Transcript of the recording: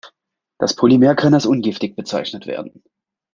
Das Polymer kann als ungiftig bezeichnet werden.